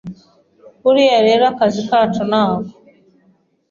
Buriya rero akazi kacu nako